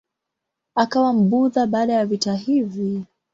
Akawa Mbudha baada ya vita hivi.